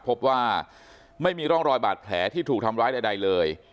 พบว่าไม่มีร่องรอยบาดแผลที่ถูกทำร้ายใดเลย